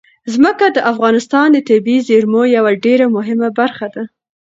ځمکه د افغانستان د طبیعي زیرمو یوه ډېره مهمه برخه ده.